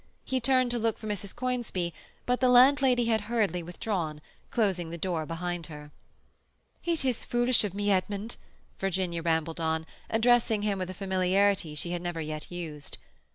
He turned to look for Mrs. Conisbee, but the landlady had hurriedly withdrawn, closing the door behind her. "It is so foolish of me, Edmund," Virginia rambled on, addressing him with a familiarity she had never yet used.